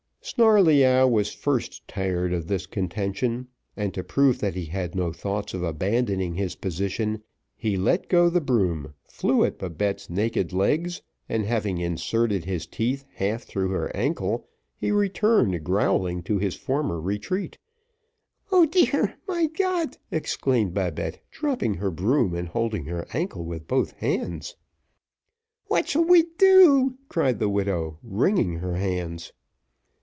Snarleyyow was first tired of this contention, and to prove that he had no thoughts of abandoning his position, he let go the broom, flew at Babette's naked legs, and having inserted his teeth half through her ankle, he returned growling to his former retreat. "O dear, mein Gott!" exclaimed Babette, dropping her broom, and holding her ankle with both hands. "What shall we do?" cried the widow, wringing her hands.